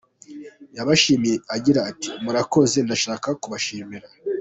Yabashimiye agira ati "Murakoze, ndashaka kubashimira.